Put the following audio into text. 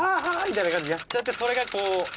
みたいな感じでやっちゃってそれが。